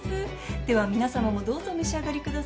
では皆さまもどうぞお召し上がりください。